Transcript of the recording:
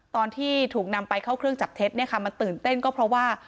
ตอนที่ถูกนำไปเข้าเครื่องจับเท็จมันตื่นเต้นก็เพราะว่า